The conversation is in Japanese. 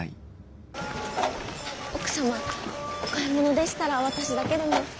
奥様お買い物でしたら私だけでも。